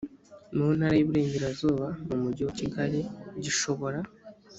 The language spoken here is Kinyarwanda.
mu ntara y iburengerazuba umujyi wa kigali gishobora